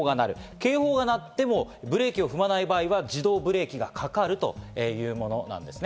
警報が鳴ってもブレーキを踏まない場合は自動ブレーキがかかるというものですね。